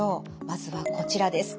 まずはこちらです。